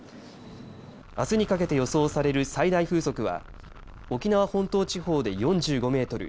あすにかけて予想される最大風速は沖縄本島地方で４５メートル